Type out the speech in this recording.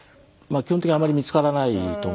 基本的にあまり見つからないと思うんですよね。